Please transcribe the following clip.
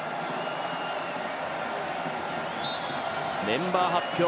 メンバー発表